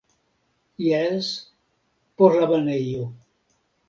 Jes, por la banejo.